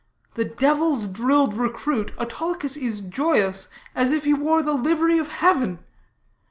The devil's drilled recruit, Autolycus is joyous as if he wore the livery of heaven.